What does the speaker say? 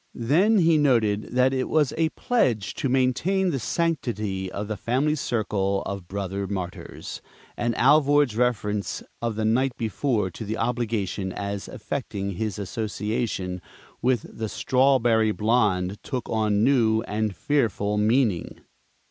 Then he noted that it was a pledge to maintain the sanctity of the family circle of brother Martyrs, and Alvord's reference of the night before to the obligation as affecting his association with the "strawberry blonde" took on new and fearful meaning.